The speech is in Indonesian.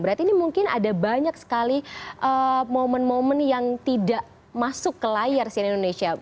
berarti ini mungkin ada banyak sekali momen momen yang tidak masuk ke layar sian indonesia